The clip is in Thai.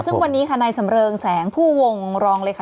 ซึ่งวันนี้ค่ะนายสำเริงแสงผู้วงรองเลยค่ะ